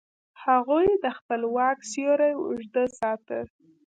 هغوی د خپل واک سیوری اوږده ساته.